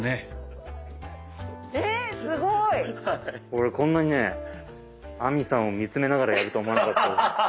俺こんなにね亜美さんを見つめながらやると思わなかった。